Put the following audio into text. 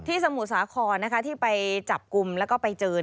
สมุทรสาครที่ไปจับกลุ่มแล้วก็ไปเจอ